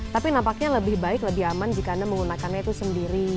tapi nampaknya lebih baik lebih aman jika anda menggunakannya itu sendiri